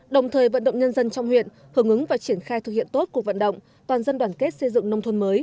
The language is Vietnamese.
đồng thời vận động nhân dân trong huyện hưởng ứng và triển khai thực hiện tốt cuộc vận động toàn dân đoàn kết xây dựng nông thôn mới